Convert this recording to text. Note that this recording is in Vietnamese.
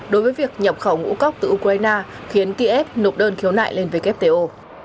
đối với việc nhập khẩu ngũ cốc từ ukraine khiến kiev nộp đơn khiếu nại lên wto